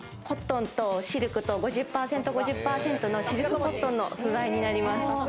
コットンとシルクが５０％５０％のシルクコットンの素材になります。